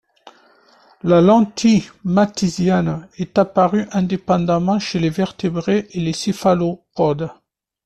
La lentille Mathésienne est apparue indépendamment chez les Vertébrés et les Céphalopodes.